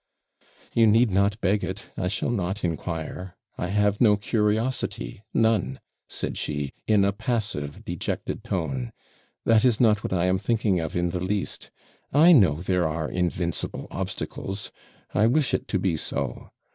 'You need not beg it I shall not inquire I have no curiosity none,' said she, in a passive, dejected tone; 'that is not what I am thinking of in the least. I know there are invincible obstacles; I wish it to be so.